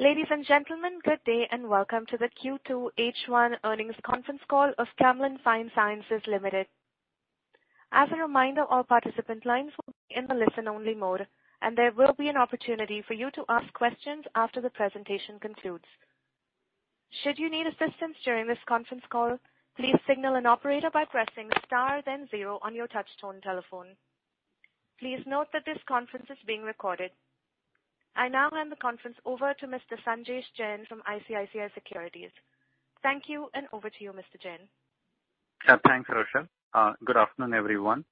Ladies and gentlemen, good day and welcome to the Q2 H1 earnings conference call of Camlin Fine Sciences Limited. As a reminder, all participant lines will be in a listen-only mode, and there will be an opportunity for you to ask questions after the presentation concludes. Should you need assistance during this conference call, please signal an operator by pressing star then zero on your touchtone telephone. Please note that this conference is being recorded. I now hand the conference over to Mr. Sanjesh Jain from ICICI Securities. Thank you, and over to you, Mr. Jain. Thanks, Rosha. Good afternoon, everyone.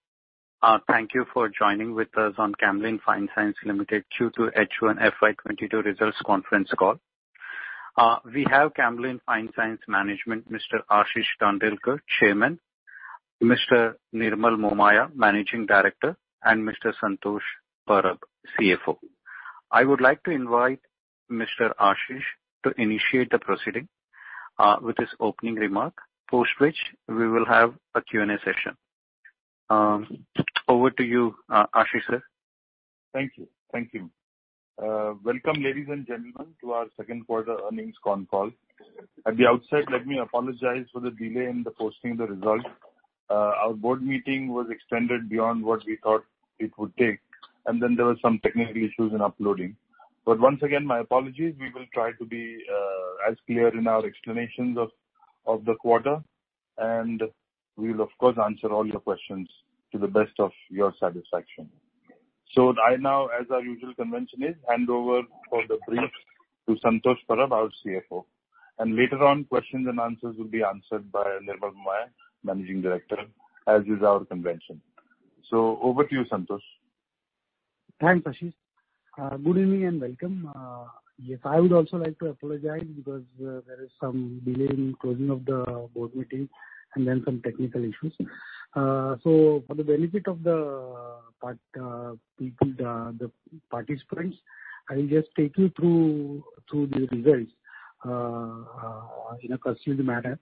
Thank you for joining with us on Camlin Fine Sciences Limited Q2 H1 FY 2022 results conference call. We have Camlin Fine Sciences management, Mr. Ashish Tandon, Chairman, Mr. Nirmal Momaya, Managing Director, and Mr. Santosh Parab, CFO. I would like to invite Mr. Ashish to initiate the proceeding with his opening remark, post which we will have a Q&A session. Over to you, Ashish, sir. Thank you. Welcome, ladies and gentlemen, to our second quarter earnings con call. At the outset, let me apologize for the delay in the posting of the results. Our board meeting was extended beyond what we thought it would take, and then there were some technical issues in uploading. Once again, my apologies. We will try to be as clear in our explanations of the quarter, and we will of course answer all your questions to the best of your satisfaction. I now, as our usual convention is, hand over for the brief to Santosh Parab, our CFO. Later on, questions and answers will be answered by Nirmal Momaya, Managing Director, as is our convention. Over to you, Santosh. Thanks, Ashish. Good evening and welcome. Yes, I would also like to apologize because there is some delay in closing of the board meeting and then some technical issues. For the benefit of the participants, I'll just take you through the results in a concise manner.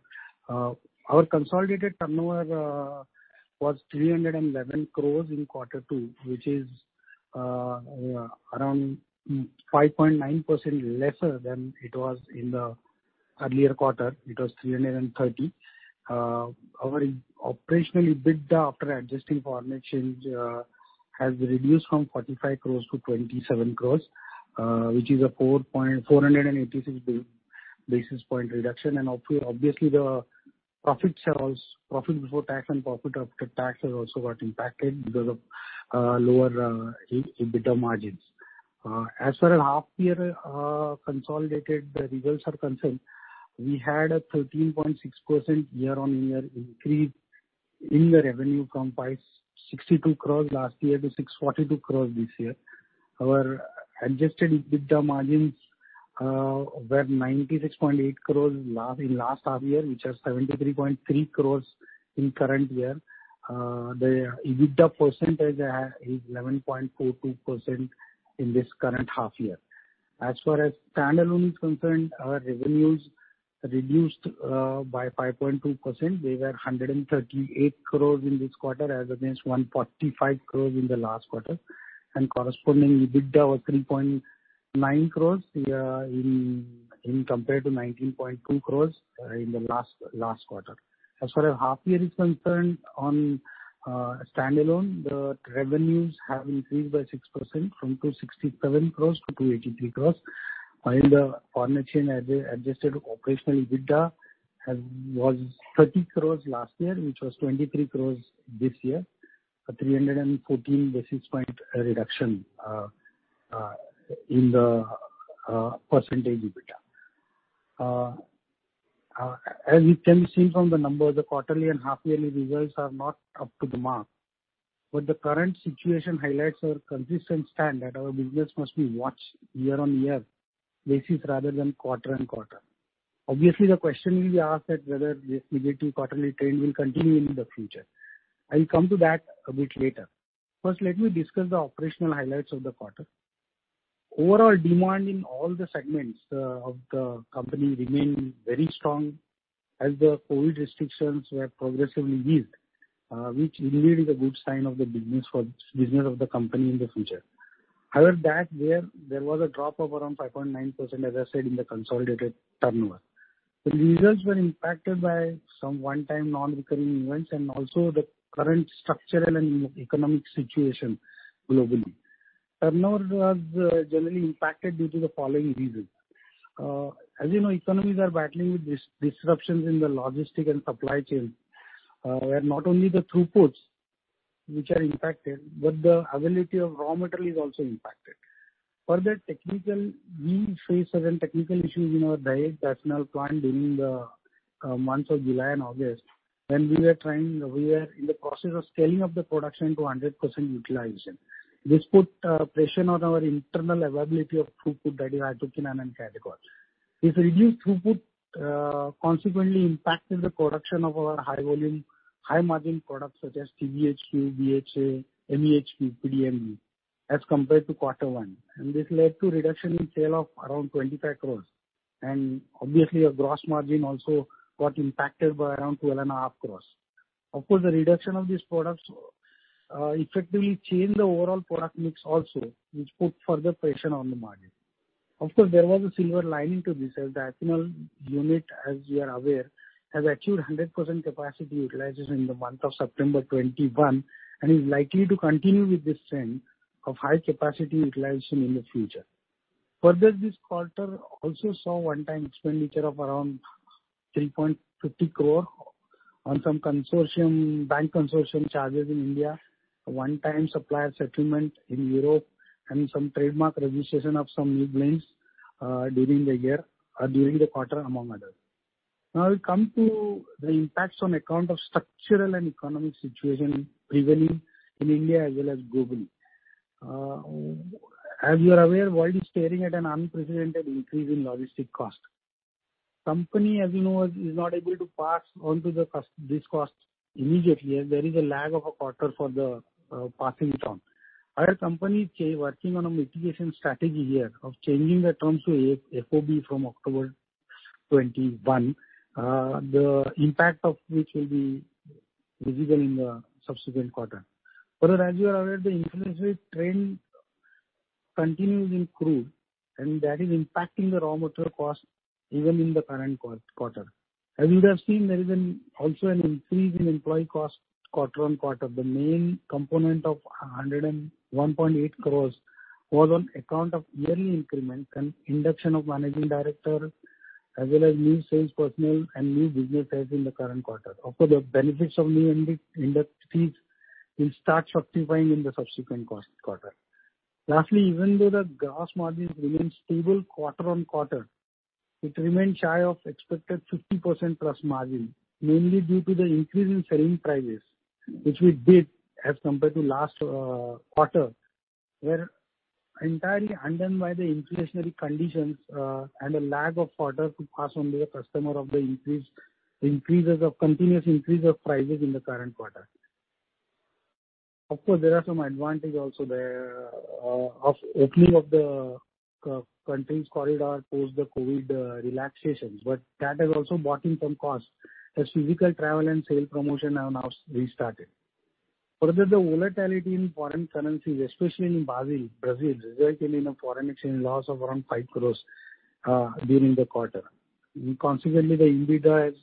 Our consolidated turnover was 311 crore in Q2, which is around 5.9% lesser than it was in the earlier quarter. It was 330 crore. Our operationally EBITDA after adjusting for our net change has reduced from 45 crore to 27 crore, which is a 486 basis point reduction. Obviously the profit shares, profit before tax and profit after tax has also got impacted because of lower EBITDA margins. As far as the half year consolidated results are concerned, we had a 13.6% year-on-year increase in the revenue from 562 crores last year to 642 crores this year. Our Adjusted EBITDA margins were 96.8 crores in the last half year, which are 73.3 crores in the current year. The EBITDA percentage is 11.42% in this current half year. As far as standalone is concerned, our revenues reduced by 5.2%. They were 138 crores in this quarter as against 145 crores in the last quarter. Corresponding EBITDA was 3.9 crores compared to 19.2 crores in the last quarter. As far as half year is concerned, standalone, the revenues have increased by 6% from 267 crores-283 crores. The foreign exchange adjusted operational EBITDA was 30 crores last year, which was 23 crores this year, a 314 basis point reduction in the percentage EBITDA. As it can be seen from the numbers, the quarterly and half-yearly results are not up to the mark. The current situation highlights our consistent stand that our business must be watched year-on-year basis rather than quarter-on-quarter. Obviously, the question will be asked whether this negative quarterly trend will continue into the future. I'll come to that a bit later. First, let me discuss the operational highlights of the quarter. Overall demand in all the segments of the company remain very strong as the COVID restrictions were progressively eased, which indeed is a good sign of the business of the company in the future. However, that year there was a drop of around 5.9%, as I said, in the consolidated turnover. The results were impacted by some one-time non-recurring events and also the current structural and economic situation globally. Turnover was generally impacted due to the following reasons. As you know, economies are battling with disruptions in the logistics and supply chain, where not only the throughputs which are impacted, but the availability of raw material is also impacted. Further, technically, we faced certain technical issues in our diphenol plant during the months of July and August when we were in the process of scaling up the production to 100% utilization. This put pressure on our internal availability of throughput, that is, hydroquinone and catechol. This reduced throughput consequently impacted the production of our high volume, high margin products such as TBHQ, BHA, MEHQ, PDMB as compared to quarter one. This led to reduction in sales of around 25 crores. Obviously, a gross margin also got impacted by around 12.5 crores. Of course, the reduction of these products effectively change the overall product mix also, which put further pressure on the margin. Of course, there was a silver lining to this, as the ethanol unit, as you are aware, has achieved 100% capacity utilization in the month of September 2021, and is likely to continue with this trend of high capacity utilization in the future. Further, this quarter also saw one-time expenditure of around 3.50 crore on some consortium bank consortium charges in India, a one-time supplier settlement in Europe, and some trademark registration of some new blends, during the year, during the quarter, among others. Now we come to the impacts on account of structural and economic situation prevailing in India as well as globally. As you are aware, world is staring at an unprecedented increase in logistics costs. Company, as you know, is not able to pass on to these costs immediately, as there is a lag of a quarter for the passing it on. Our company is working on a mitigation strategy here of changing the terms to FOB from October 2021. The impact of which will be visible in the subsequent quarter. Further, as you are aware, the inflationary trend continues in crude, and that is impacting the raw material cost even in the current quarter. As you would have seen, there is also an increase in employee cost quarter on quarter. The main component of 101.8 crores was on account of yearly increment and induction of managing director, as well as new sales personnel and new business heads in the current quarter. Of course, the benefits of new inductees will start fructifying in the subsequent quarter. Lastly, even though the gross margins remain stable quarter-on-quarter, it remained shy of expected 50%+ margin, mainly due to the increase in selling prices, which we did as compared to last quarter, were entirely undone by the inflationary conditions, and a lag of a quarter to pass on to the customer the continuous increase of prices in the current quarter. Of course, there are some advantages also there, of opening of the countries corridor post-COVID relaxations. That has also brought in some costs, as physical travel and sales promotion have now restarted. Further, the volatility in foreign currencies, especially in Brazil, resulted in a foreign exchange loss of around 5 crore during the quarter. Consequently, the EBITDA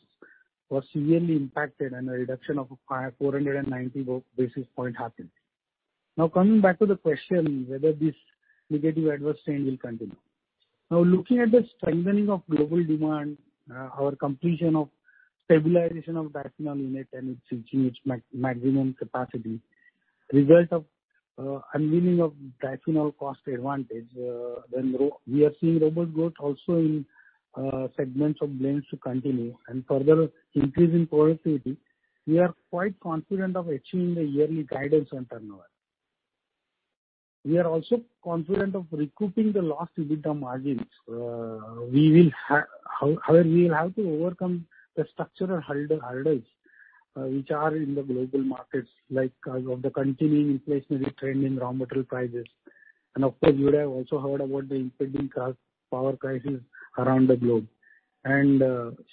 was severely impacted and a reduction of 490 basis points happened. Now coming back to the question whether this negative adverse trend will continue. Now looking at the strengthening of global demand, our completion of stabilization of diphenol unit and it's reaching its maximum capacity, result of unwinding of diphenol cost advantage, then we are seeing robust growth also in segments of Blends to continue, and further increase in productivity. We are quite confident of achieving the yearly guidance on turnover. We are also confident of recouping the lost EBITDA margins. However, we will have to overcome the structural hurdles which are in the global markets, like the continuing inflationary trend in raw material prices. Of course, you would have also heard about the impending power crisis around the globe and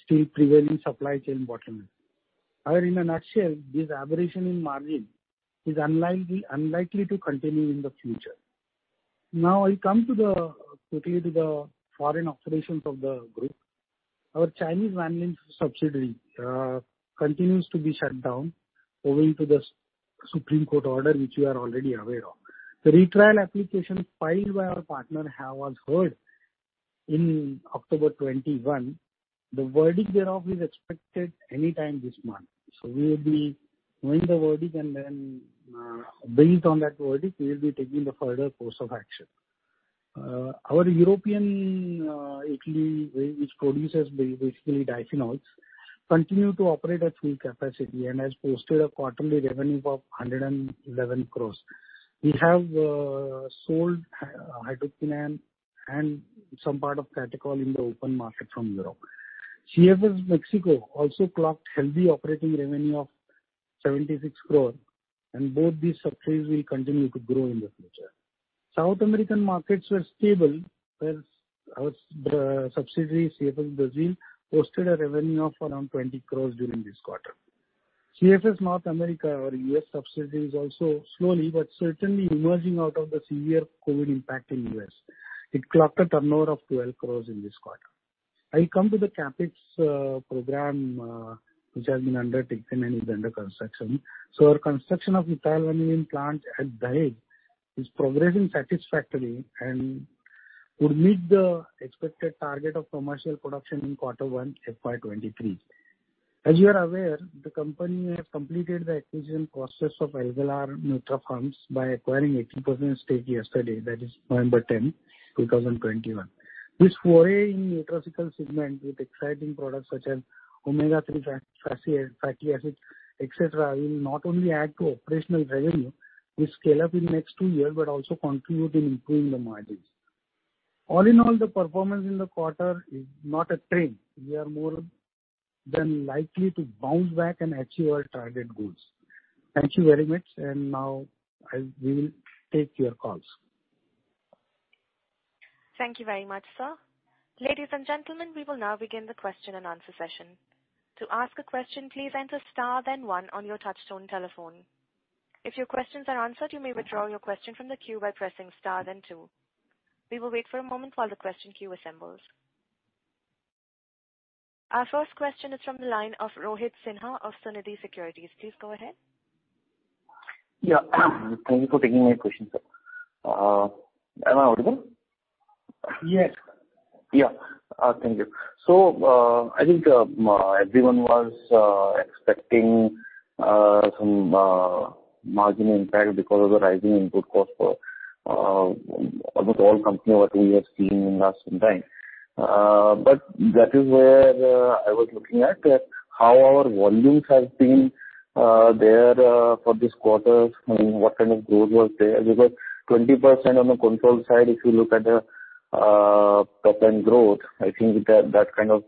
still prevailing supply chain bottlenecks. However, in a nutshell, this aberration in margin is unlikely to continue in the future. Now, I come to quickly to the foreign operations of the group. Our Chinese vanillin subsidiary continues to be shut down owing to the Supreme Court order, which you are already aware of. The retrial application filed by our partner was heard in October 2021. The verdict thereof is expected any time this month. We will be knowing the verdict and then, based on that verdict, we will be taking the further course of action. Our European Italy, which produces basically diphenols, continues to operate at full capacity and has posted a quarterly revenue of 111 crores. We have sold hydroquinone and some part of catechol in the open market from Europe. CFS Mexico also clocked healthy operating revenue of 76 crore, and both these subsidiaries will continue to grow in the future. South American markets were stable as our subsidiary, CFS Brazil, posted a revenue of around 20 crore during this quarter. CFS North America, our U.S. subsidiary, is also slowly but certainly emerging out of the severe COVID impact in U.S. It clocked a turnover of 12 crore in this quarter. I come to the CapEx program, which has been undertaken and is under construction. Our construction of ethyl vanillin plant at Dahej is progressing satisfactorily and would meet the expected target of commercial production in quarter one, FY 2023. As you are aware, the company has completed the acquisition process of AlgalR NutraPharms by acquiring 80% stake yesterday, that is November 10th, 2021. This foray in nutraceutical segment with exciting products such as omega-three fatty acids, et cetera, will not only add to operational revenue, with scale-up in next two years, but also contribute in improving the margins. All in all, the performance in the quarter is not a trend. We are more than likely to bounce back and achieve our target goals. Thank you very much, and now we will take your calls. Thank you very much, sir. Ladies and gentlemen, we will now begin the question-and answer-session. To ask a question, please enter star then one on your touchtone telephone. If your questions are answered, you may withdraw your question from the queue by pressing star then two. We will wait for a moment while the question queue assembles. Our first question is from the line of Rohit Sinha of Sunidhi Securities. Please go ahead. Yeah. Thank you for taking my question, sir. Am I audible? Yes. Thank you. I think everyone was expecting some margin impact because of the rising input cost for almost all companies that we are seeing in the last some time. That is where I was looking at how our volumes have been there for this quarter. I mean, what kind of growth was there? Because 20% on the control side, if you look at the top-end growth, I think that kind of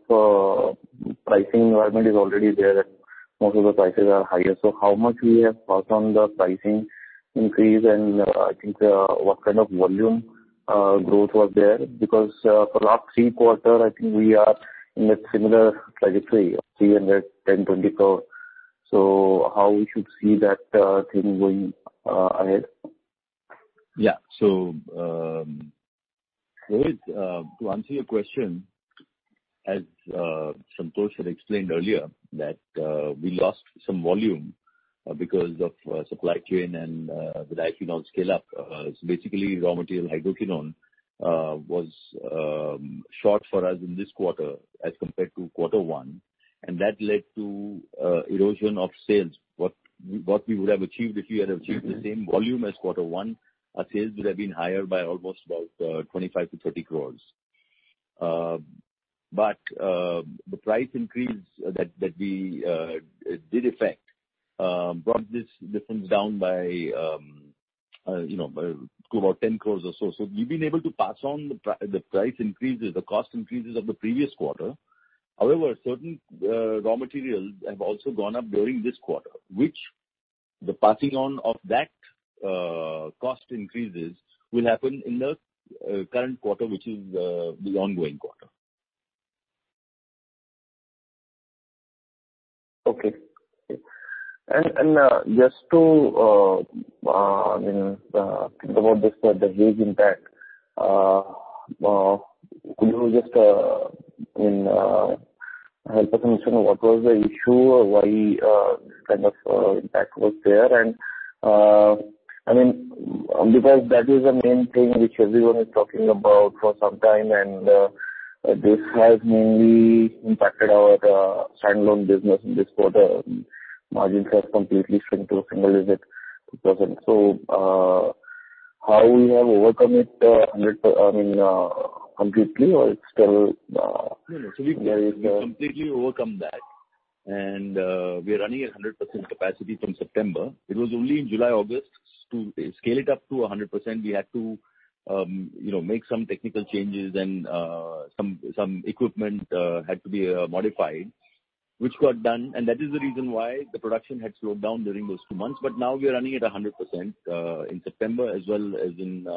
pricing environment is already there and most of the prices are higher. How much we have passed on the pricing increase and what kind of volume growth was there? Because for last three quarter, I think we are in a similar trajectory of INR. How should we see that thing going ahead? Yeah. Rohit, to answer your question, as Santosh had explained earlier that we lost some volume because of supply chain and with our own scale up. Basically raw material hydroquinone was short for us in this quarter as compared to quarter one, and that led to erosion of sales. What we would have achieved if we had achieved the same volume as quarter one, our sales would have been higher by almost about 25-30 crores. But the price increase that we did affect brought this difference down by, you know, to about 10 crores or so. We've been able to pass on the price increases, the cost increases of the previous quarter. However, certain raw materials have also gone up during this quarter, which the passing on of that cost increases will happen in the current quarter, which is the ongoing quarter. Okay. Just to you know think about this, the hedge impact, could you just you know help us understand what was the issue or why this kind of impact was there? I mean, because that is the main thing which everyone is talking about for some time, and this has mainly impacted our standalone business in this quarter. Margins have completely shrunk to a single-digit percent. How we have overcome it, I mean, completely or it's still there is No, no. We've completely overcome that. We've are running at 100% capacity from September. It was only in July, August. To scale it up to 100%, we had to you know, make some technical changes and some equipment had to be modified, which got done, and that is the reason why the production had slowed down during those two months. Now we are running at 100% in September as well as in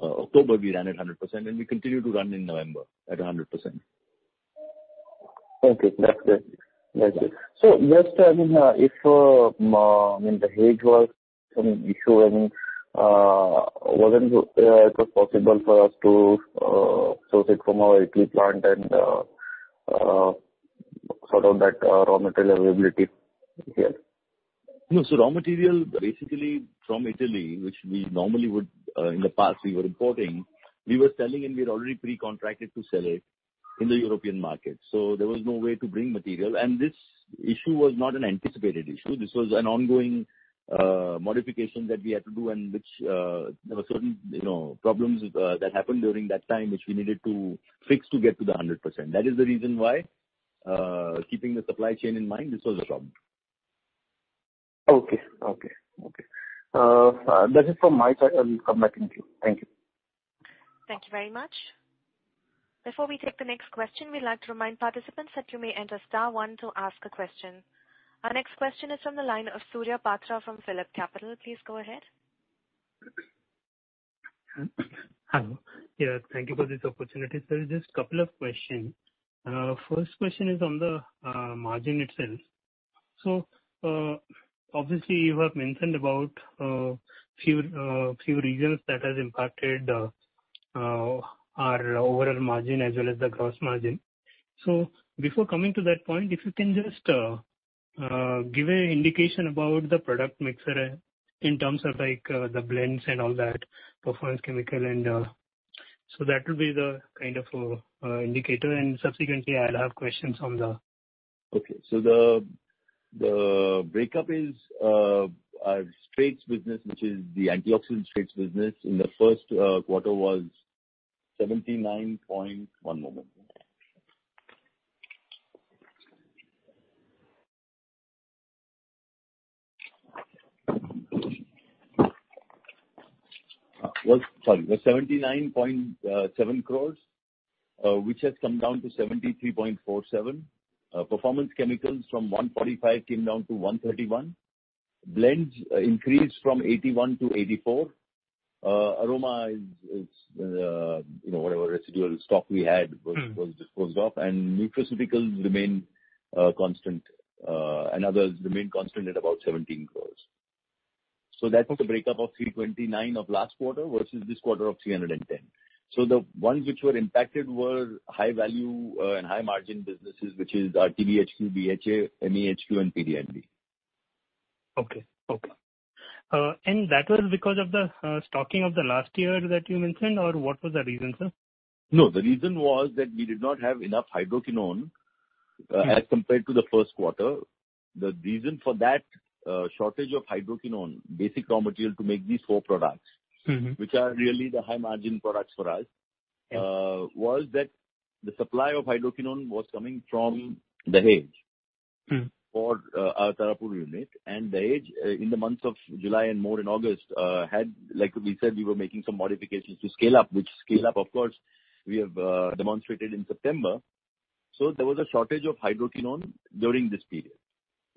October, we ran at 100% and we continue to run in November at 100%. Okay. That's it. Just, I mean, the hedge was some issue, I mean, wasn't it possible for us to source it from our Italy plant and sort out that raw material availability here? No. Raw material basically from Italy, which we normally would, in the past we were importing, we were selling and we're already pre-contracted to sell it in the European market. There was no way to bring material. This issue was not an anticipated issue. This was an ongoing modification that we had to do and which there were certain, you know, problems that happened during that time, which we needed to fix to get to the 100%. That is the reason why, keeping the supply chain in mind, this was a problem. Okay. That is from my side. I'll come back in queue. Thank you. Thank you very much. Before we take the next question, we'd like to remind participants that you may enter star one to ask a question. Our next question is from the line of Surya Patra from PhillipCapital. Please go ahead. Hello. Yeah, thank you for this opportunity. Sir, just couple of question. First question is on the margin itself. Obviously you have mentioned about few reasons that has impacted our overall margin as well as the gross margin. Before coming to that point, if you can just give a indication about the product mix in terms of like the Blends and all that, Performance Chemicals. That will be the kind of indicator. Subsequently, I'll have questions on the- Okay. The breakup is our Straights business, which is the antioxidant Straits business in the Q1 was 79.7 crores, which has come down to 73.47 crores. Performance Chemicals from 145 crores came down to 131 crores. Blends increased from 81 crores to 84 crores. Aroma is, you know, whatever residual stock we had. Mm-hmm. Was disposed of. Nutraceuticals remain constant, and others remain constant at about 17 crores. That was the breakup of 329 crore of last quarter versus this quarter of 310 crore. The ones which were impacted were high value, and high margin businesses, which is our TBHQ, BHA, MEHQ and PDMB. Okay. That was because of the stocking of the last year that you mentioned, or what was the reason, sir? No, the reason was that we did not have enough hydroquinone. Yeah. As compared to the Q1. The reason for that, shortage of hydroquinone, basic raw material to make these four products Mm-hmm. Which are really the high margin products for us. Yeah. Was that the supply of hydroquinone was coming from Dahej? Mm-hmm. For our Tarapur unit and Dahej, in the months of July and more in August, like we said, we were making some modifications to scale up, which of course we have demonstrated in September. There was a shortage of hydroquinone during this period.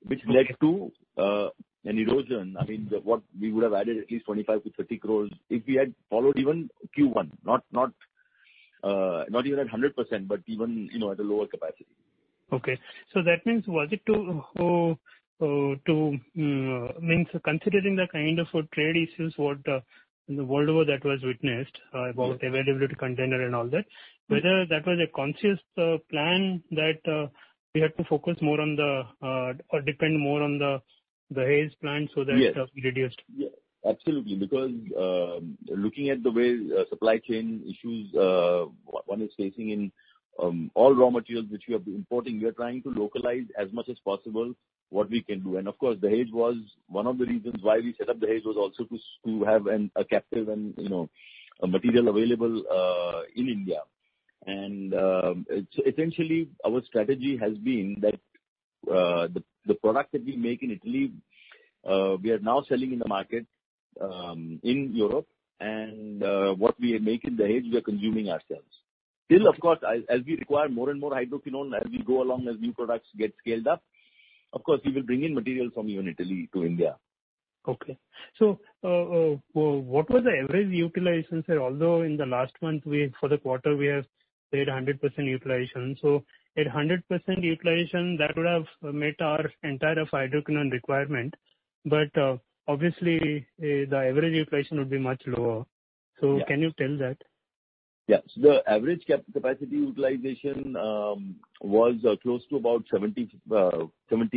Okay. Which led to an erosion. I mean, what we would have added at least 25-30 crores if we had followed even Q1, not even at 100%, but even, you know, at a lower capacity. That means considering the kind of trade issues in the trade war that was witnessed. Yes. About availability, container and all that. Mm-hmm. Whether that was a conscious plan that we had to focus more on or depend more on the Dahej plant so that- Yes. Reduced. Yeah. Absolutely. Because, looking at the way, supply chain issues, one is facing in, all raw materials which we have been importing, we are trying to localize as much as possible what we can do. Of course Dahej was one of the reasons why we set up Dahej was also to have a captive and, you know, a material available in India. Essentially our strategy has been that, the product that we make in Italy, we are now selling in the market in Europe and, what we make in Dahej we are consuming ourselves. Still of course, as we require more and more hydroquinone, as we go along, as new products get scaled up, of course we will bring in material from even Italy to India. Okay. What was the average utilization, sir? Although in the last month, for the quarter we have said 100% utilization. At 100% utilization, that would have met our entire hydroquinone requirement. Obviously, the average utilization would be much lower. Yeah. Can you tell that? Yes. The average capacity utilization was close to about 70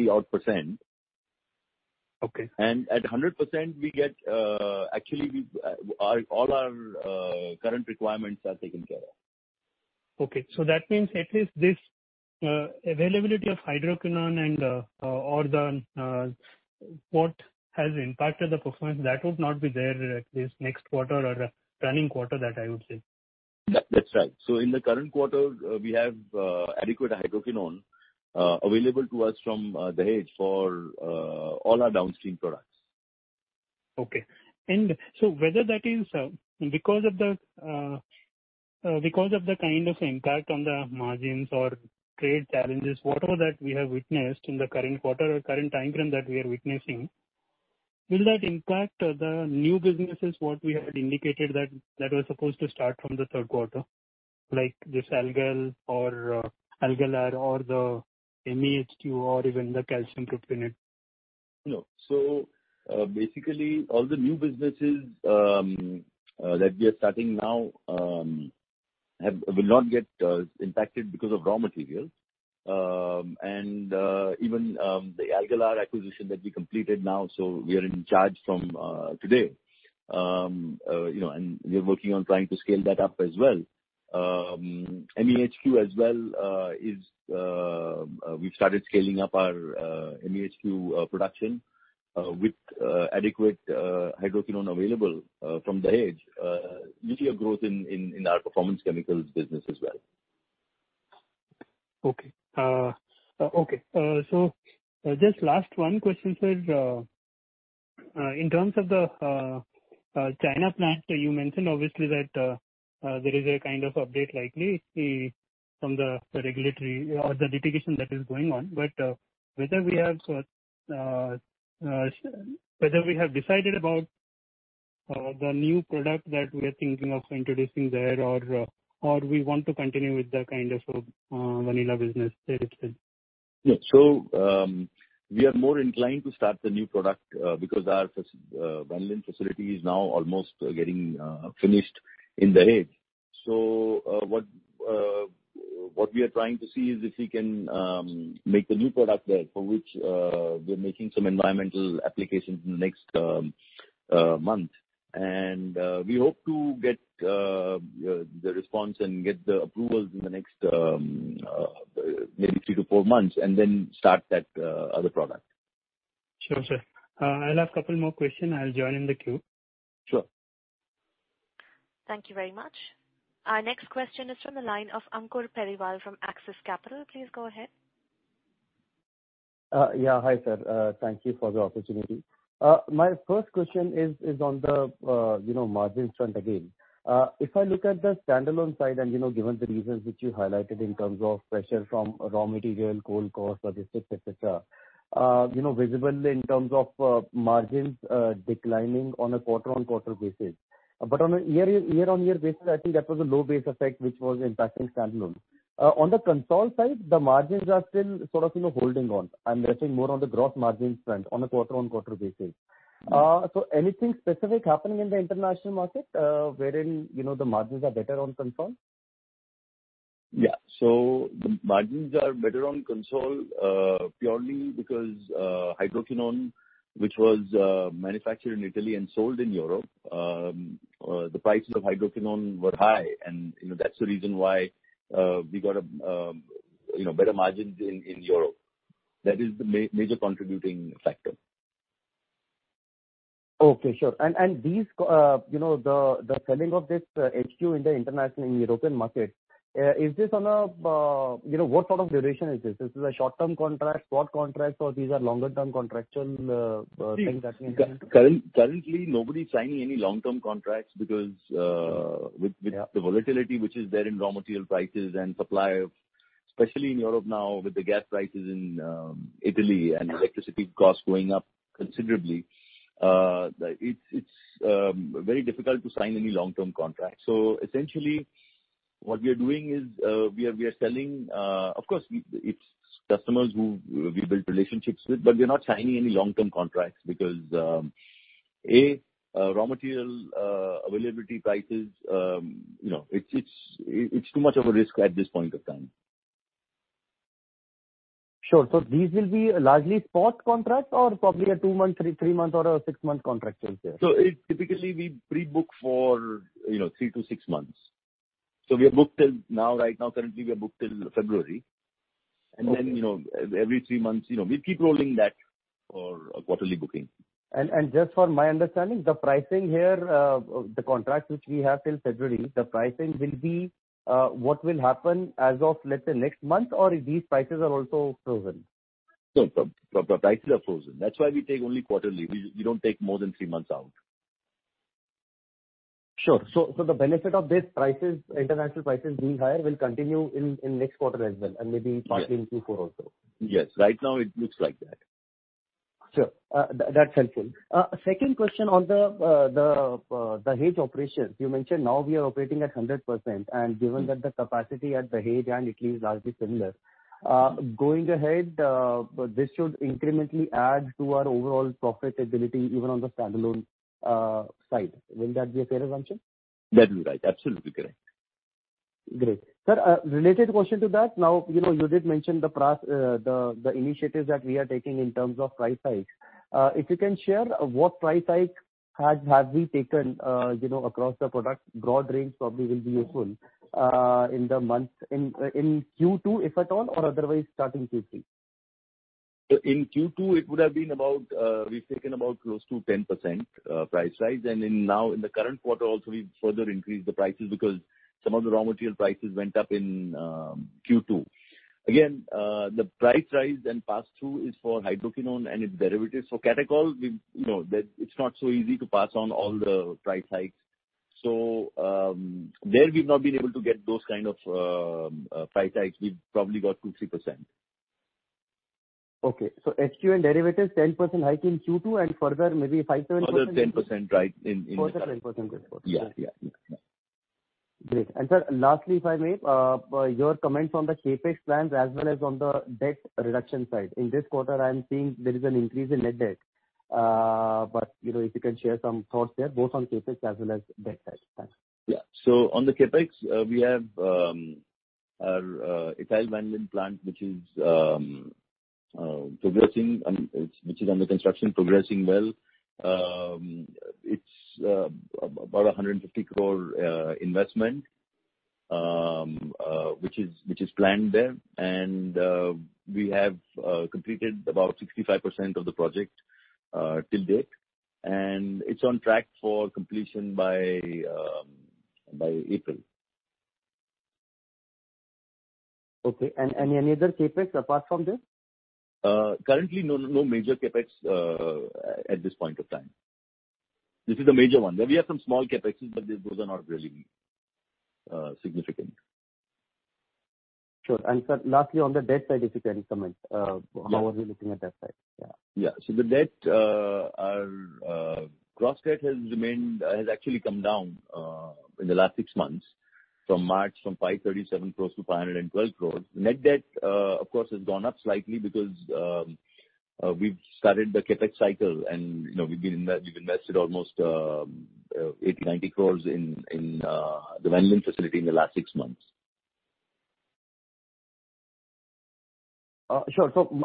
odd percent. Okay. At 100% we get, actually, we've all our current requirements are taken care of. That means at least this availability of hydroquinone and or the what has impacted the performance that would not be there at least next quarter or the planning quarter that I would say. That's right. In the current quarter, we have adequate hydroquinone available to us from Dahej for all our downstream products. Whether that is because of the kind of impact on the margins or trade challenges, whatever that we have witnessed in the current quarter or current time frame that we are witnessing, will that impact the new businesses what we had indicated that was supposed to start from the Q3, like this AlgalR or Algolar or the MEHQ or even the Calcium propionate? No. Basically all the new businesses that we are starting now will not get impacted because of raw material. Even the AlgalR acquisition that we completed now, we are in charge from today. You know, and we are working on trying to scale that up as well. MEHQ as well, we've started scaling up our MEHQ production with adequate hydroquinone available from Dahej. We see a growth in our Performance Chemicals business as well. Just one last question, sir. In terms of the China plant, you mentioned obviously that there is a kind of update likely from the regulatory or the litigation that is going on. Whether we have decided about the new product that we are thinking of introducing there or we want to continue with the kind of vanillin business there itself? Yeah. We are more inclined to start the new product because our vanillin facility is now almost getting finished in Dahej. What we are trying to see is if we can make the new product there for which we're making some environmental applications in the next month. We hope to get the response and get the approvals in the next maybe three to four months, and then start that other product. Sure, sir. I'll have a couple more questions. I'll join in the queue. Sure. Thank you very much. Our next question is from the line of Ankur Periwal from Axis Capital. Please go ahead. Yeah. Hi, sir. Thank you for the opportunity. My first question is on the margin front again. If I look at the standalone side and, you know, given the reasons which you highlighted in terms of pressure from raw material, coal cost, logistics, et cetera, you know, visible in terms of margins declining on a quarter-on-quarter basis. On a year-on-year basis, I think that was a low base effect which was impacting standalone. On the consolidated side, the margins are still sort of, you know, holding on. I'm guessing more on the gross margin front on a quarter-on-quarter basis. Anything specific happening in the international market, wherein, you know, the margins are better on consolidated? The margins are better on consolidated purely because hydroquinone, which was manufactured in Italy and sold in Europe, the prices of hydroquinone were high and you know that's the reason why we got you know better margins in Europe. That is the major contributing factor. Okay. Sure. These, you know, the selling of this HQ in the international and European market, is this on a? You know, what sort of duration is this? Is this a short-term contract, spot contract, or these are longer-term contractual things that you enter? Currently, nobody is signing any long-term contracts because Yeah. The volatility which is there in raw material prices and supply, especially in Europe now with the gas prices in Italy and the electricity cost going up considerably. It's very difficult to sign any long-term contract. Essentially what we are doing is we are selling. Of course, it's customers who we built relationships with, but we're not signing any long-term contracts because A, raw material availability prices, you know, it's too much of a risk at this point of time. Sure. These will be largely spot contracts or probably a two-month, three-month or a six-month contract here. Typically we pre-book for, you know, three-six months. We are booked till now, right now currently we are booked till February. Okay. You know, every three months, you know, we keep rolling that for a quarterly booking. Just for my understanding, the pricing here, the contracts which we have till February, the pricing will be, what will happen as of, let's say, next month or these prices are also frozen? No. The prices are frozen. That's why we take only quarterly. We don't take more than three months out. Sure. The benefit of these prices, international prices being higher, will continue in next quarter as well, and maybe- Yes. Partly in Q4 also. Yes. Right now it looks like that. Sure. That's helpful. Second question on the Dahej operation. You mentioned now we are operating at 100% and given that the capacity at the Dahej and Italy is largely similar. Going ahead, this should incrementally add to our overall profitability even on the standalone side. Will that be a fair assumption? That is right. Absolutely correct. Great. Sir, related question to that. Now, you know, you did mention the initiatives that we are taking in terms of price hike. If you can share what price hike have we taken, you know, across the product, broad range probably will be useful, in the month in Q2, if at all, or otherwise starting Q3. In Q2 we've taken about close to 10% price rise. Now in the current quarter also we've further increased the prices because some of the raw material prices went up in Q2. Again, the price rise and pass-through is for hydroquinone and its derivatives. Catechol we, you know, that it's not so easy to pass on all the price hikes there we've not been able to get those kind of price hikes. We've probably got 2%-3%. Okay. HQ and derivatives, 10% hike in Q2 and further maybe 5%-10%. Further 10% right in. Further 10% this quarter. Yeah. Great. Sir, lastly, if I may, your comments on the CapEx plans as well as on the debt reduction side. In this quarter, I am seeing there is an increase in net debt. You know, if you can share some thoughts there, both on CapEx as well as debt side. Thanks. Yeah. On the CapEx, we have our ethyl vanillin plant which is progressing and under construction, progressing well. It's about 150 crore investment which is planned there. We have completed about 65% of the project till date, and it's on track for completion by April. Okay. Any other CapEx apart from this? Currently, no major CapEx at this point of time. This is a major one. There we have some small CapExes, but those are not really significant. Sure. Sir, lastly, on the debt side, if you can comment, Yeah. How are we looking at that side? Yeah. Our gross debt has actually come down in the last six months from March from 537 crores-512 crores. Net debt, of course, has gone up slightly because we've started the CapEx cycle and, you know, we've invested almost 80 crores-90 crores in the vanillin facility in the last six months.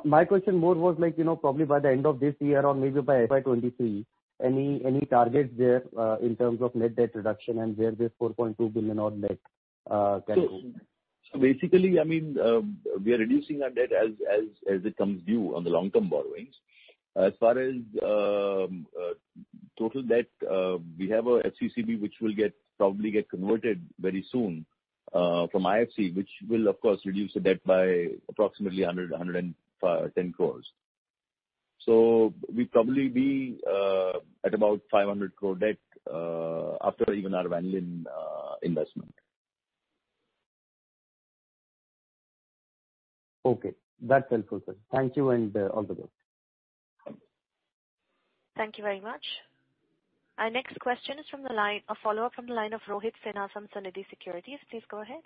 My question more was like, you know, probably by the end of this year or maybe by FY 2023, any targets there in terms of net debt reduction and where this 4.2 billion-odd net can go? Basically, I mean, we are reducing our debt as it comes due on the long-term borrowings. As far as total debt, we have a FCCB which will probably get converted very soon from IFC, which will of course reduce the debt by approximately 110 crore. We'd probably be at about 500 crore debt after even our vanillin investment. Okay. That's helpful, sir. Thank you and all the best. Thank you very much. Our next question is from the line. A follow-up from the line of Rohit Sinha from Sunidhi Securities. Please go ahead.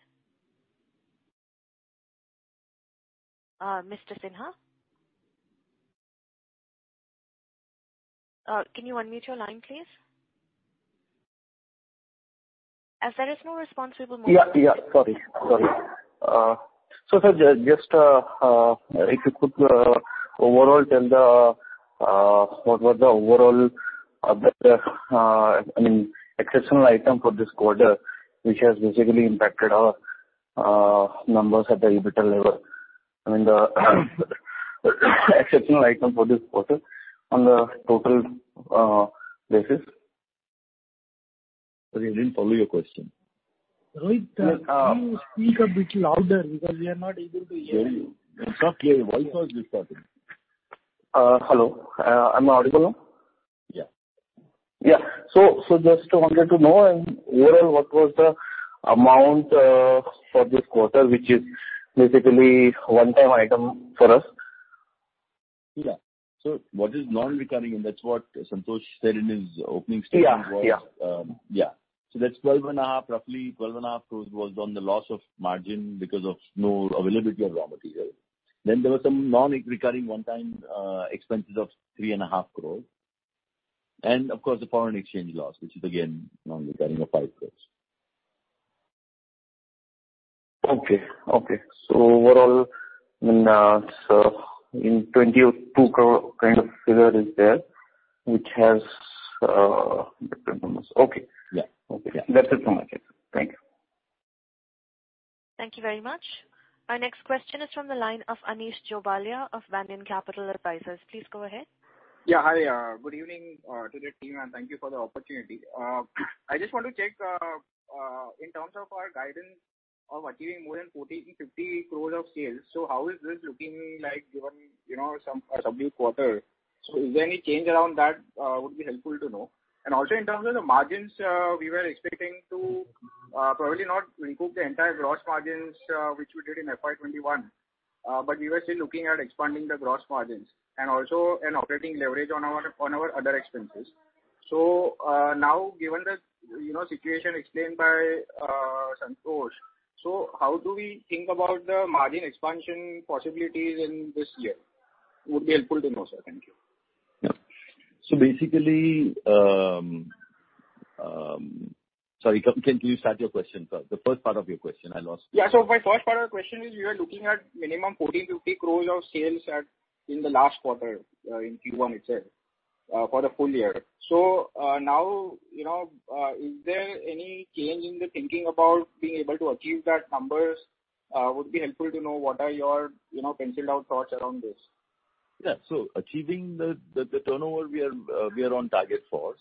Mr. Sinha? Can you unmute your line, please? As there is no response, we will move. Yeah. Sorry. Sir, just if you could overall tell us what was the overall other exceptional item for this quarter which has basically impacted our numbers at the EBITDA level. I mean the exceptional item for this quarter on the total basis. Sorry, I didn't follow your question. Rohit, can you speak a bit louder because we are not able to hear you. Sorry. Your voice was distorted. Hello. Am I audible now? Yeah. Yeah. Just wanted to know in overall what was the amount for this quarter, which is basically one-time item for us. What is non-recurring, and that's what Santhosh said in his opening statement was. Yeah. Yeah. That's 12.5, roughly 12.5 crores was on the loss of margin because of no availability of raw material. There was some non-recurring one-time expenses of 3.5 crores. Of course, the foreign exchange loss, which is again non-recurring of INR 5 crores. Okay. Overall, I mean, in 22 crore kind of figure is there, which has. Yeah. Okay. That's it from my side. Thank you. Thank you very much. Our next question is from the line of Anish Jobalia of Banyan Capital Advisors. Please go ahead. Yeah. Hi. Good evening to the team, and thank you for the opportunity. I just want to check in terms of our guidance of achieving more than 40-50 crores of sales. How is this looking like given, you know, some subdued quarter? Is there any change around that? Would be helpful to know. Also in terms of the margins, we were expecting to probably not recoup the entire gross margins which we did in FY 2021. But we were still looking at expanding the gross margins and also an operating leverage on our other expenses. Now, given the situation explained by Santhosh, how do we think about the margin expansion possibilities in this year? Would be helpful to know, sir. Thank you. Yeah. Basically, sorry, can you start your question, sir? The first part of your question I lost. Yeah. My first part of the question is, you were looking at minimum 40-50 crores of sales in the last quarter, in Q1 itself, for the full year. Now, you know, is there any change in the thinking about being able to achieve that numbers? Would be helpful to know what are your, you know, penciled out thoughts around this. Yeah. We are achieving the turnover we are on target for.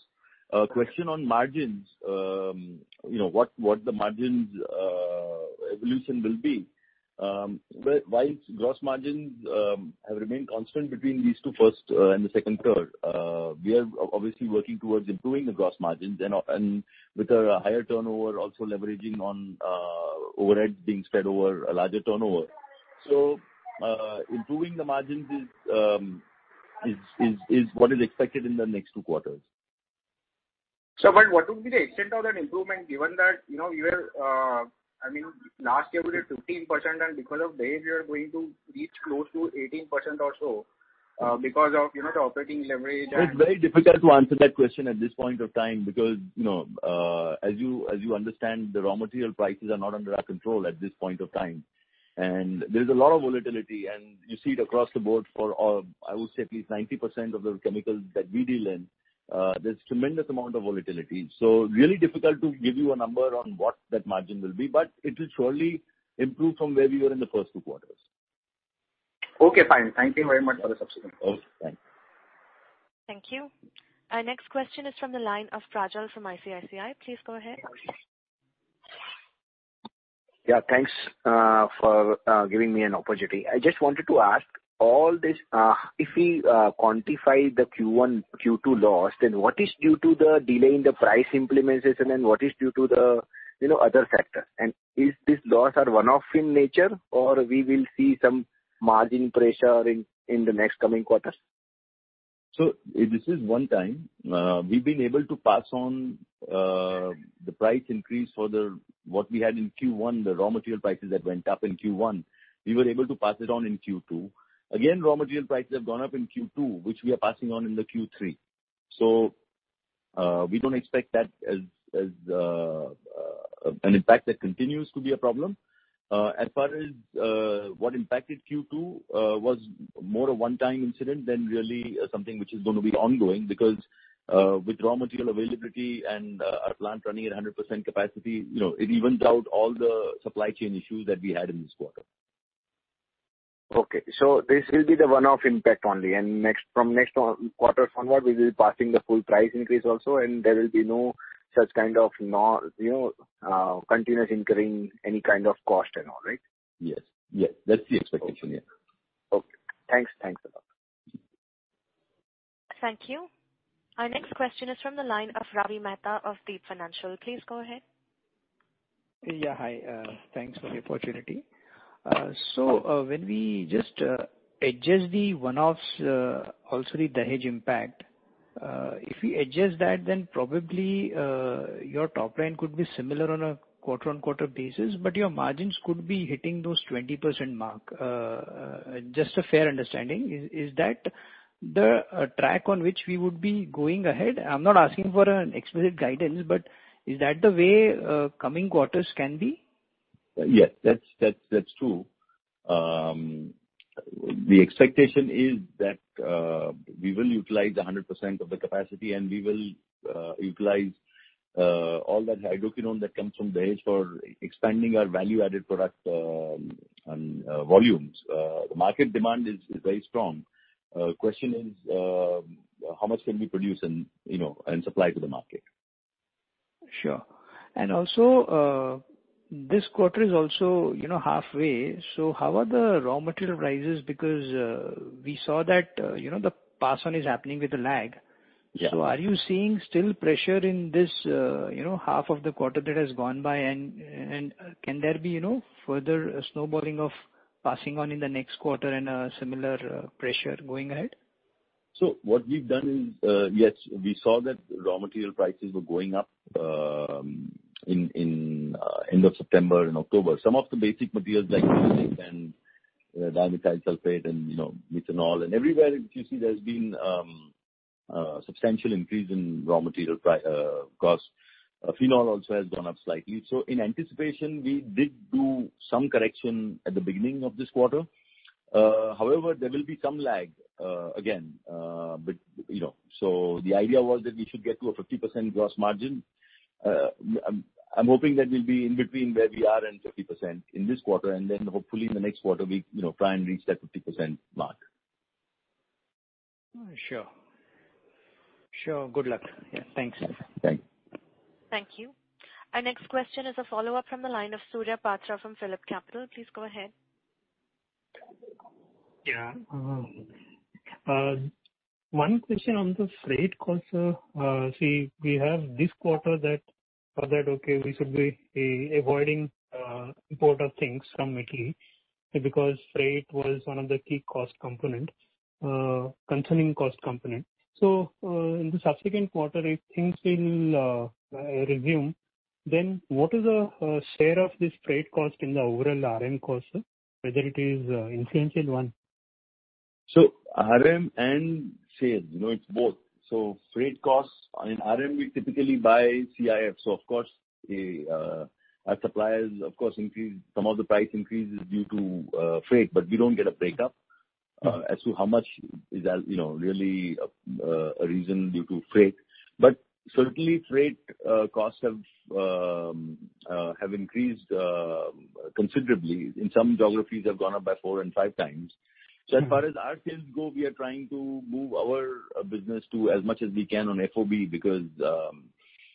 Question on margins, you know, what the margins evolution will be. Well, while gross margins have remained constant between the first two and the second and third, we are obviously working towards improving the gross margins. With a higher turnover, also leveraging on overheads being spread over a larger turnover. Improving the margins is what is expected in the next two quarters. What would be the extent of that improvement given that, you know, you were, I mean, last year it was at 15% and because of that you are going to reach close to 18% or so, because of, you know, the operating leverage and It's very difficult to answer that question at this point of time because, you know, as you understand, the raw material prices are not under our control at this point of time. There's a lot of volatility. You see it across the board for, I would say at least 90% of the chemicals that we deal in. There's tremendous amount of volatility. Really difficult to give you a number on what that margin will be, but it will surely improve from where we were in the first two quarters. Okay, fine. Thank you very much for the subsequent call. Okay. Thanks. Thank you. Our next question is from the line of Prajal from ICICI. Please go ahead. Yeah, thanks for giving me an opportunity. I just wanted to ask all this, if we quantify the Q1, Q2 loss, then what is due to the delay in the price implementation and what is due to the, you know, other factors? Is this loss are one-off in nature or we will see some margin pressure in the next coming quarters? This is one time. We've been able to pass on the price increase for what we had in Q1, the raw material prices that went up in Q1. We were able to pass it on in Q2. Again, raw material prices have gone up in Q2, which we are passing on in Q3. We don't expect that as an impact that continues to be a problem. As far as what impacted Q2 was more a one-time incident than really something which is gonna be ongoing because with raw material availability and our plant running at 100% capacity, you know. Mm-hmm. It evens out all the supply chain issues that we had in this quarter. Okay. This will be the one-off impact only. Next, from next quarter onward we will be passing the full price increase also, and there will be no such kind of nor, you know, continuous incurring any kind of cost and all, right? Yes. Yes. That's the expectation. Yeah. Okay. Thanks a lot. Thank you. Our next question is from the line of Ravi Mehta of Deep Financial. Please go ahead. Yeah, hi. Thanks for the opportunity. When we just adjust the one-offs, also the Dahej impact, if we adjust that, then probably your top line could be similar on a quarter-on-quarter basis, but your margins could be hitting those 20% mark. Just a fair understanding. Is that the track on which we would be going ahead? I'm not asking for an explicit guidance, but is that the way coming quarters can be? Yes. That's true. The expectation is that we will utilize 100% of the capacity, and we will utilize all that hydroquinone that comes from Dahej for expanding our value-added product and volumes. The market demand is very strong. Question is how much can we produce and, you know, supply to the market. Sure. Also, this quarter is also, you know, halfway. How are the raw material prices? Because, we saw that, you know, the pass on is happening with a lag. Yeah. Are you seeing still pressure in this, you know, half of the quarter that has gone by and can there be, you know, further snowballing of passing on in the next quarter and similar pressure going ahead? What we've done is, yes, we saw that raw material prices were going up in the end of September and October. Some of the basic materials like caustic and dimethyl sulfate and, you know, methanol and everywhere you see there's been substantial increase in raw material cost. Phenol also has gone up slightly. In anticipation, we did do some correction at the beginning of this quarter. However, there will be some lag again, but you know. The idea was that we should get to a 50% gross margin. I'm hoping that we'll be in between where we are and 50% in this quarter, and then hopefully in the next quarter we, you know, try and reach that 50% mark. Sure. Sure. Good luck. Yeah. Thanks. Thanks. Thank you. Our next question is a follow-up from the line of Surya Patra from PhillipCapital. Please go ahead. Yeah. One question on the freight cost, sir. See, we have this quarter. For that, okay, we should be avoiding import of things from Italy because freight was one of the key cost component, concerning cost component. In the subsequent quarter, if things will resume, then what is the share of this freight cost in the overall RM cost, sir, whether it is influential one? RM and sales, you know, it's both. Freight costs, I mean, RM, we typically buy CIF, so of course, our suppliers increase. Some of the price increase is due to freight, but we don't get a breakdown as to how much is, as you know, really due to freight. But certainly freight costs have increased considerably in some geographies by four and 5x. As far as our sales go, we are trying to move our business to as much as we can on FOB because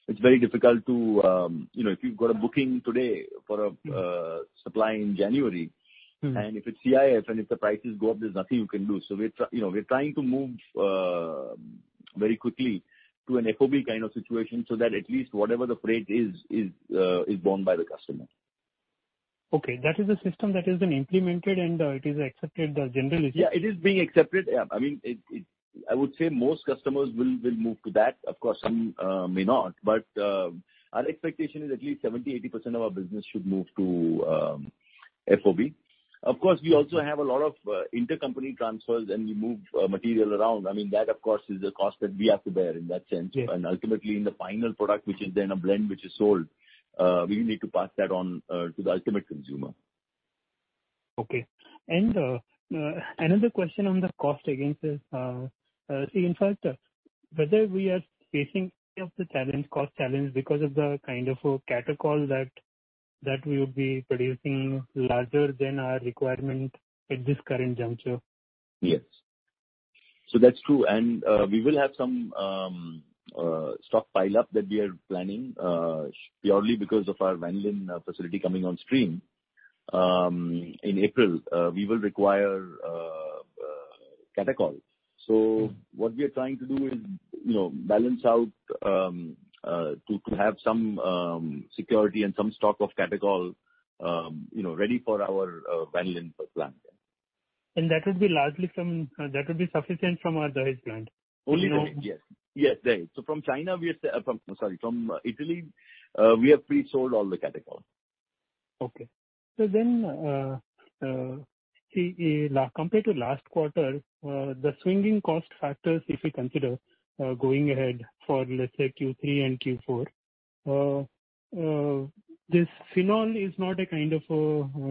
it's very difficult to, you know, if you've got a booking today for supply in January. Mm-hmm. If it's CIF and if the prices go up, there's nothing you can do. We're trying you know, to move very quickly to an FOB kind of situation so that at least whatever the freight is borne by the customer. Okay. That is a system that has been implemented and it is accepted generally? Yeah, it is being accepted. Yeah. I mean, I would say most customers will move to that. Of course, some may not. Our expectation is at least 70%-80% of our business should move to FOB. Of course, we also have a lot of intercompany transfers and we move material around. I mean, that of course is a cost that we have to bear in that sense. Yeah. Ultimately in the final product which is then a blend which is sold, we need to pass that on to the ultimate consumer. Okay. Another question on the cost again, sir. See in fact, whether we are facing any of the challenge, cost challenge because of the kind of catechol that we would be producing larger than our requirement at this current juncture. Yes. That's true. We will have some stockpile up that we are planning purely because of our vanillin facility coming on stream in April. We will require catechol. What we are trying to do is you know balance out to have some security and some stock of catechol you know ready for our vanillin plant. That would be sufficient from our Dahej plant? From Italy, we have pre-sold all the catechol. Okay. See, compared to last quarter, the swing cost factors if we consider going ahead for let's say Q3 and Q4, this phenol is not a kind of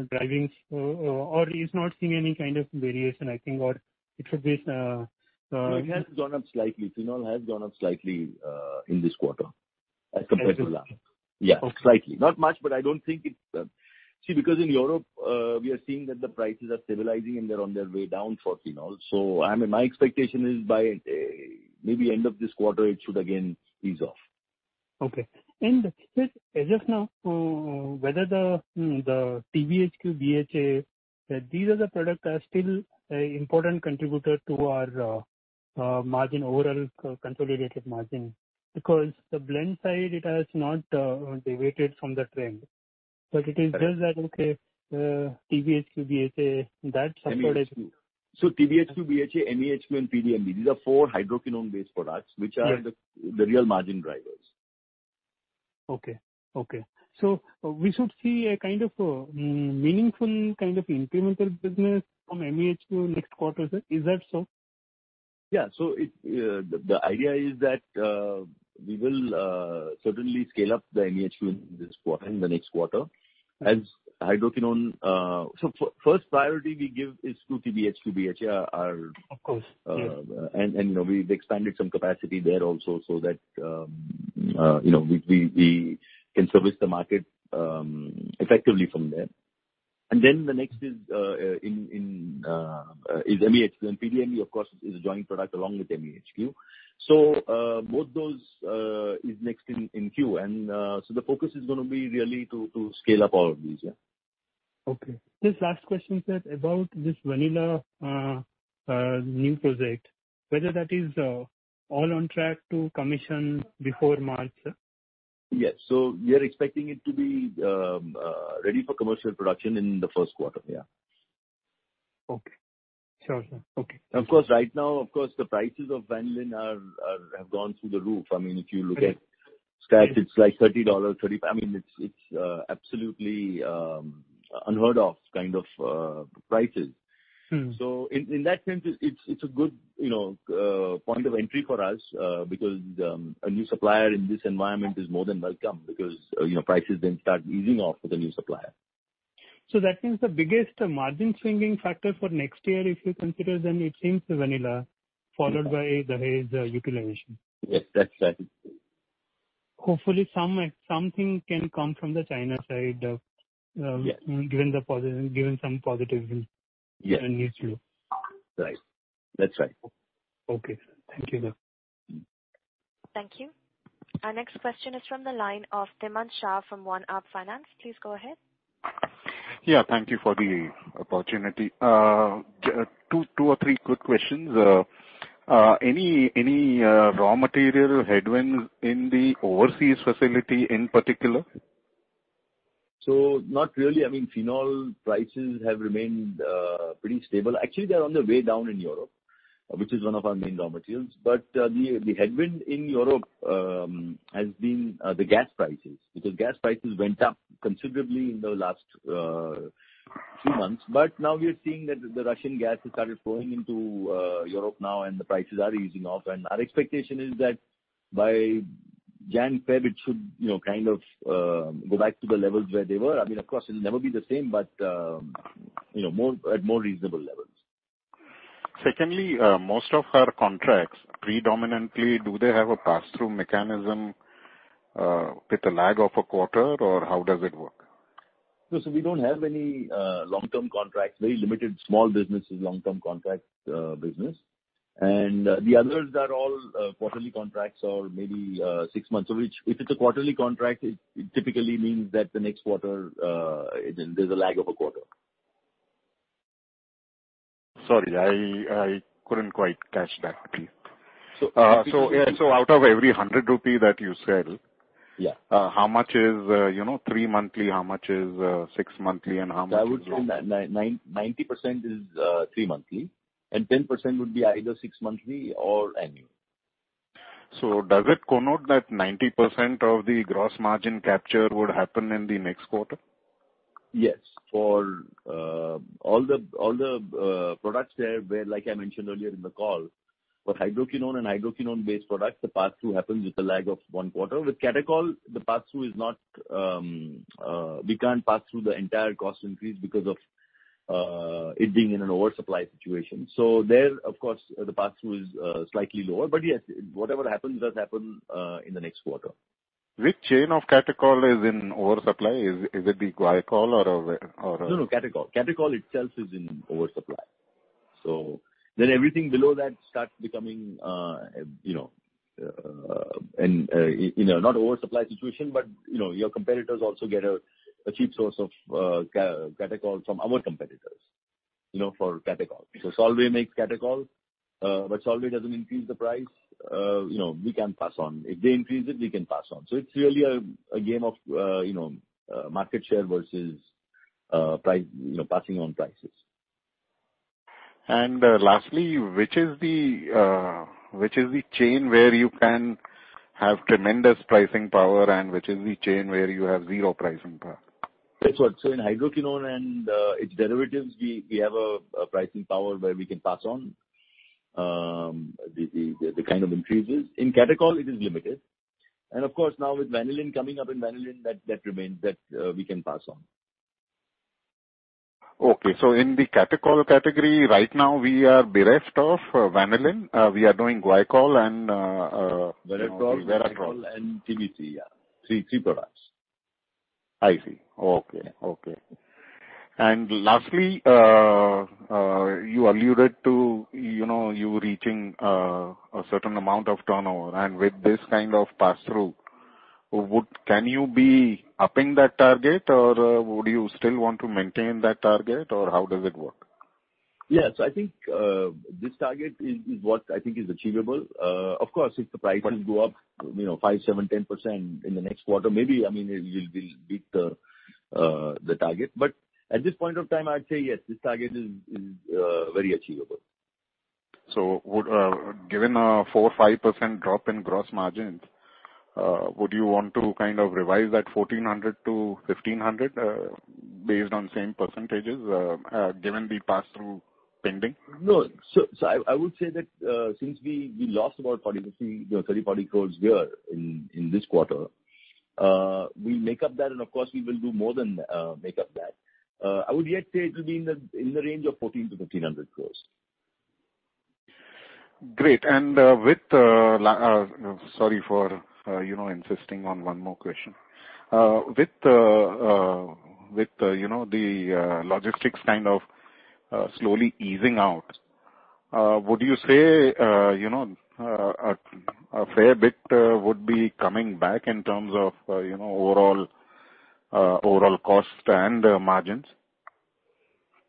driving or is not seeing any kind of variation I think or it should be. No, it has gone up slightly. Phenol has gone up slightly, in this quarter as compared to last. Okay. Yeah. Slightly. Not much, but I don't think it's. See, because in Europe, we are seeing that the prices are stabilizing and they're on their way down for phenol. I mean, my expectation is by maybe end of this quarter it should again ease off. Okay. Just as of now, whether the TBHQ, BHA, these are the products are still an important contributor to our margin, overall consolidated margin. Because the blend side, it has not deviated from the trend. It is just that, okay, TBHQ, BHA, that sub-category. TBHQ, BHA, MEHQ and PDMB. These are four hydroquinone-based products. Yes. Which are the real margin drivers. Okay. We should see a kind of meaningful kind of incremental business from MEHQ next quarter, sir. Is that so? The idea is that we will certainly scale up the MEHQ in this quarter, in the next quarter as hydroquinone. First priority we give is to TBHQ, BHA are- Of course. Yeah. You know, we've expanded some capacity there also so that you know, we can service the market effectively from there. The next is MEHQ. PDMB, of course, is a joint product along with MEHQ. Both those is next in queue. The focus is gonna be really to scale up all of these. Yeah. Okay. Just last question, sir. About this vanillin new project. Whether that is all on track to commission before March, sir? Yes. We are expecting it to be ready for commercial production in the Q1. Yeah. Okay. Sure, sir. Okay. Of course right now, of course the prices of vanillin have gone through the roof. I mean, if you look at stats, it's like $30. I mean, it's absolutely unheard of kind of prices. Mm. In that sense, it's a good, you know, point of entry for us, because a new supplier in this environment is more than welcome because, you know, prices then start easing off with a new supplier. That means the biggest margin swinging factor for next year if you consider then it seems the vanillin followed by the HQ utilization. Yes. That's right. Hopefully something can come from the China side of- Yeah. Given some positivism Yeah. in H2. Right. That's right. Okay, sir. Thank you though. Thank you. Our next question is from the line of Dhimant Shah from One-Up Financial. Please go ahead. Yeah, thank you for the opportunity. Two or three quick questions. Any raw material headwinds in the overseas facility in particular? Not really. I mean, phenol prices have remained pretty stable. Actually, they are on the way down in Europe, which is one of our main raw materials. The headwind in Europe has been the gas prices. Because gas prices went up considerably in the last two months. Now we are seeing that the Russian gas has started flowing into Europe now and the prices are easing off. Our expectation is that by January, February, it should, you know, kind of go back to the levels where they were. I mean, of course it'll never be the same, but you know, more at more reasonable levels. Secondly, most of our contracts predominantly do they have a pass-through mechanism, with a lag of a quarter or how does it work? No, we don't have any long-term contracts. Very limited small business is long-term contract business. The others are all quarterly contracts or maybe 6 months. If it's a quarterly contract, it typically means that the next quarter there's a lag of a quarter. Sorry, I couldn't quite catch that. So- Out of every 100 rupee that you sell. Yeah. How much is, you know, three monthly? How much is six monthly and how much is I would say 90% is three monthly and 10% would be either six monthly or annual. Does it connote that 90% of the gross margin capture would happen in the next quarter? Yes. For all the products there, where, like I mentioned earlier in the call, for hydroquinone and hydroquinone-based products the pass-through happens with a lag of one quarter. With catechol, we can't pass-through the entire cost increase because of it being in an oversupply situation. There, of course, the pass-through is slightly lower. Yes, whatever happens does happen in the next quarter. Which chain of catechol is in oversupply? Is it the guaiacol or where? No, no, catechol. Catechol itself is in oversupply. Everything below that starts becoming, you know, in a not oversupply situation but, you know, your competitors also get a cheap source of catechol from our competitors. You know, for catechol. Because Solvay makes catechol, but Solvay doesn't increase the price, you know, we can pass on. If they increase it, we can pass on. It's really a game of, you know, market share versus price, you know, passing on prices. Lastly, which is the chain where you can have tremendous pricing power and which is the chain where you have zero pricing power? That's what. In hydroquinone and its derivatives, we have a pricing power where we can pass on the kind of increases. In catechol it is limited. Of course now with vanillin coming up in vanillin, that remains that we can pass on. In the catechol category right now we are bereft of vanillin. We are doing guaiacol and Veratrole, catechol and TBC, yeah. Three products. I see. Okay. Lastly, you alluded to, you know, you reaching a certain amount of turnover. With this kind of pass-through, can you be upping that target or would you still want to maintain that target or how does it work? Yes. I think this target is what I think is achievable. Of course, if the prices go up, you know, 5%, 7%, 10% in the next quarter, maybe, I mean, we'll beat the target. At this point of time, I'd say yes, this target is very achievable. Given a 4%-5% drop in gross margins, would you want to kind of revise that 1400-1500, based on same percentages, given the pass-through pending? No, I would say that since we lost about 30 crore-40 crore, you know, here in this quarter, we make up that and of course, we will do more than make up that. I would yet say it will be in the range of 1,400 crore-1,500 crore. Great. Sorry for you know, insisting on one more question. With you know, the logistics kind of slowly easing out, would you say you know, a fair bit would be coming back in terms of you know, overall cost and margins?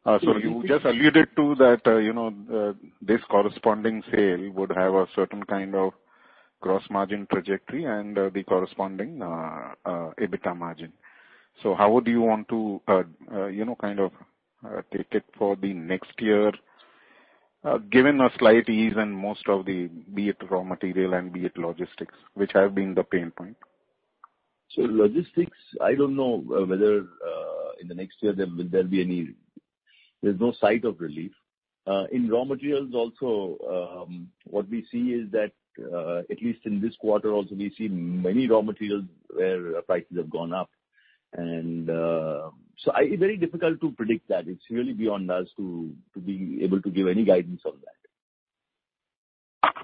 You just alluded to that you know, this corresponding sale would have a certain kind of gross margin trajectory and the corresponding EBITDA margin. How would you want to you know, kind of, take it for the next year, given a slight ease in most of the, be it raw material and be it logistics, which have been the pain point? Logistics, I don't know whether in the next year there will be any. There's no sign of relief. In raw materials also, what we see is that at least in this quarter also we see many raw materials where prices have gone up. Very difficult to predict that. It's really beyond us to be able to give any guidance on that.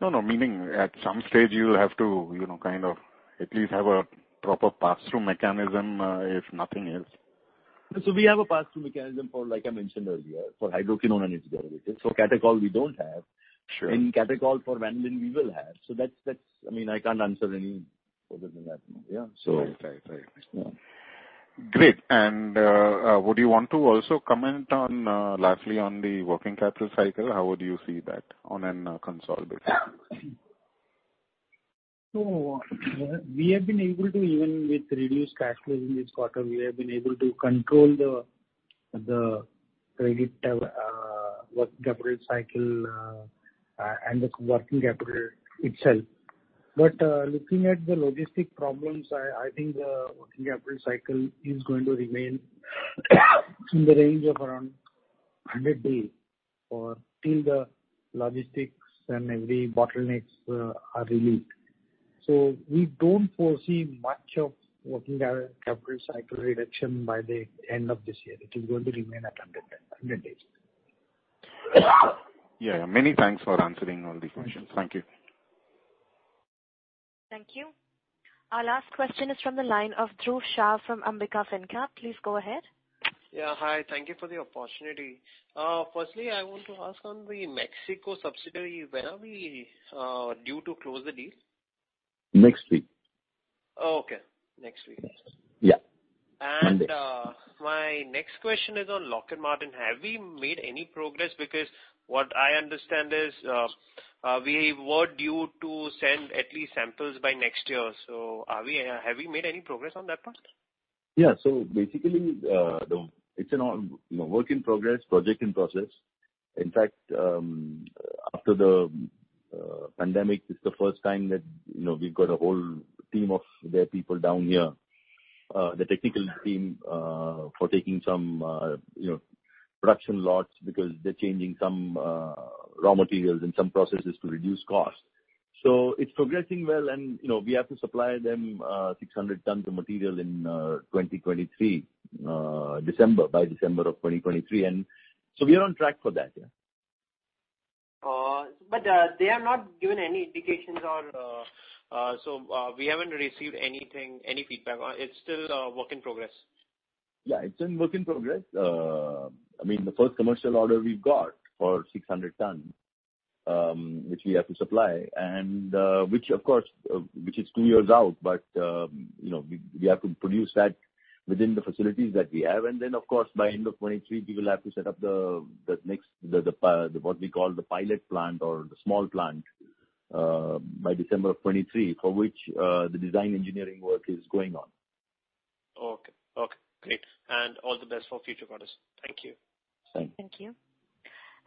No, no. Meaning at some stage you have to, you know, kind of at least have a proper pass-through mechanism, if nothing else. We have a pass-through mechanism for, like I mentioned earlier, for hydroquinone and its derivatives. For catechol we don't have. Sure. In catechol for vanillin we will have. That's, I mean, I can't answer any further than that now. Yeah. Right. Yeah. Great. Would you want to also comment on, lastly, the working capital cycle, how would you see that on a consolidated? We have been able, even with reduced cash flow in this quarter, to control the credit working capital cycle and the working capital itself. Looking at the logistics problems, I think the working capital cycle is going to remain in the range of around 100 days or till the logistics and every bottlenecks are relieved. We don't foresee much working capital cycle reduction by the end of this year. It is going to remain at 100 days. Yeah. Many thanks for answering all the questions. Thank you. Thank you. Our last question is from the line of Dhruv Shah from Ambika Fincap. Please go ahead. Yeah. Hi. Thank you for the opportunity. Firstly, I want to ask on the Mexico subsidiary, when are we due to close the deal? Next week. Okay, next week. Yeah. Monday. My next question is on Lockheed Martin. Have we made any progress? Because what I understand is, we were due to send at least samples by next year. Have we made any progress on that part? Yeah. Basically, it's an ongoing work in progress, project in progress. In fact, after the pandemic, it's the first time that, you know, we've got a whole team of their people down here, the technical team, for taking some, you know, production lots because they're changing some raw materials and some processes to reduce costs. It's progressing well and, you know, we have to supply them 600 tons of material in 2023, by December of 2023. We are on track for that, yeah. They have not given any indications, so we haven't received anything, any feedback. It's still a work in progress. Yeah, it's in work in progress. I mean, the first commercial order we've got for 600 tons, which we have to supply, which of course is two years out. You know, we have to produce that within the facilities that we have. By end of 2023, we will have to set up the next, what we call the pilot plant or the small plant, by December of 2023, for which the design engineering work is going on. Okay. Okay, great. All the best for future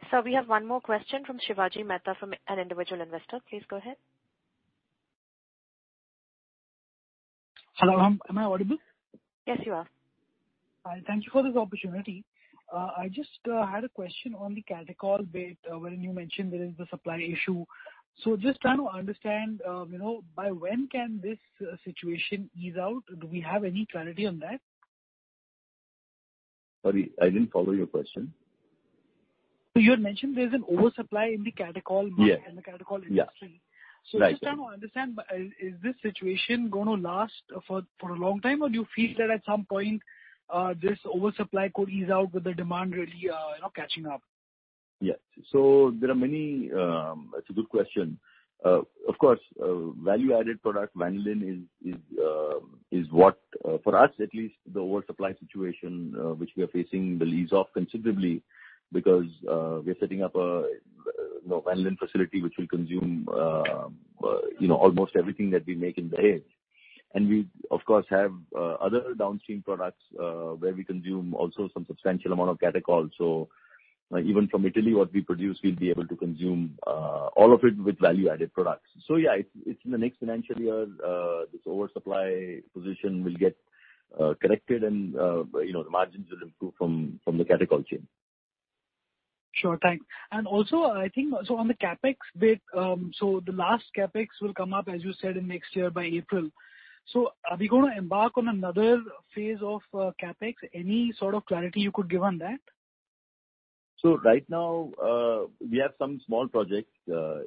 quarters. Thank you. Thank you. Thank you. We have one more question from Shivaji Mehta from an individual investor. Please go ahead. Hello, am I audible? Yes, you are. Thank you for this opportunity. I just had a question on the catechol bit, wherein you mentioned there is the supply issue. Just trying to understand, you know, by when can this situation ease out? Do we have any clarity on that? Sorry, I didn't follow your question. You had mentioned there's an oversupply in the catechol market. Yeah. The catechol industry. Yeah. Right. I'm just trying to understand, is this situation gonna last for a long time or do you feel that at some point, this oversupply could ease out with the demand really, you know, catching up? Yes. There are many. It's a good question. Of course, value-added product vanillin is what, for us at least, the oversupply situation which we are facing will ease off considerably because we're setting up you know vanillin facility which will consume you know almost everything that we make in Behror. We of course have other downstream products where we consume also some substantial amount of catechol. Even from Italy, what we produce, we'll be able to consume all of it with value-added products. Yeah, it's in the next financial year this oversupply position will get corrected and you know the margins will improve from the catechol chain. Sure. Thanks. Also I think so on the CapEx bit, so the last CapEx will come up, as you said, in next year by April. Are we gonna embark on another phase of CapEx? Any sort of clarity you could give on that? Right now, we have some small projects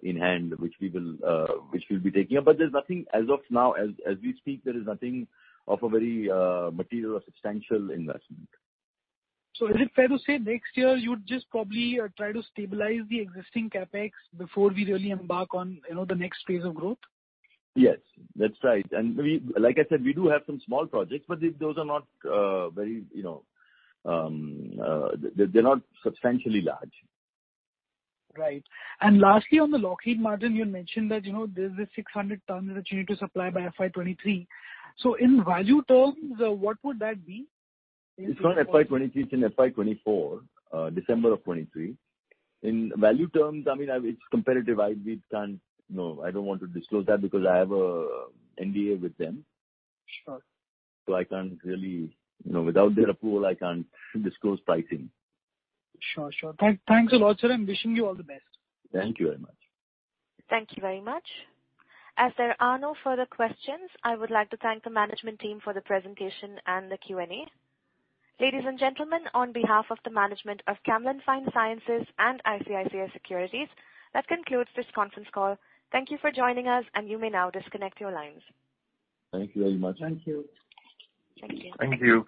in hand which we'll be taking up. There's nothing as of now, as we speak, there is nothing of a very material or substantial investment. Is it fair to say next year you would just probably try to stabilize the existing CapEx before we really embark on, you know, the next phase of growth? Yes, that's right. We, like I said, we do have some small projects, but those are not very, you know, they're not substantially large. Right. Lastly, on the Lockheed Martin, you had mentioned that, you know, there's a 600-ton that you need to supply by FY 2023. In value terms, what would that be? It's not FY 2023, it's in FY 2024, December 2023. In value terms, I mean, it's competitive. We can't, you know, I don't want to disclose that because I have a NDA with them. Sure. I can't really, you know, without their approval, I can't disclose pricing. Sure. Thanks a lot, sir, and wishing you all the best. Thank you very much. Thank you very much. As there are no further questions, I would like to thank the management team for the presentation and the Q&A. Ladies and gentlemen, on behalf of the management of Camlin Fine Sciences and ICICI Securities, that concludes this conference call. Thank you for joining us and you may now disconnect your lines. Thank you very much. Thank you. Thank you. Thank you.